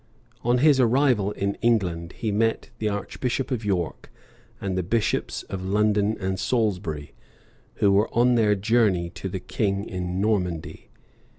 On his arrival in England, he met the archbishop of York and the bishops of London and Salisbury, who were on their journey to the king in Normandy.